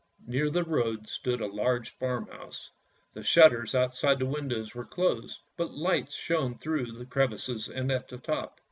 Near the road stood a large farmhouse. The shutters out side the windows were closed, but lights shone through the crevices and at the top.